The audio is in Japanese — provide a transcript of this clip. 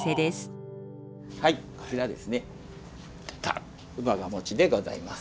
はいこれがですね姥ヶ餅でございます。